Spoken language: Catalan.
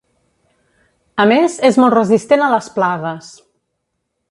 A més, és molt resistent a les plagues.